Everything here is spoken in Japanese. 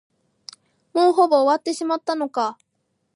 もうほぼ終わってしまったのか。